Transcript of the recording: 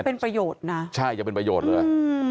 เป็นประโยชน์นะใช่จะเป็นประโยชน์เลย